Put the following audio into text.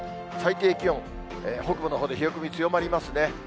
最低気温、北部のほうで冷え込み強まりますね。